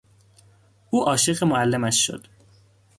او عاشق معلمش شد.